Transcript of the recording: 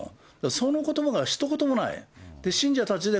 そのことばがひと言もない。